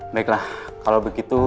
baiklah kalau begitu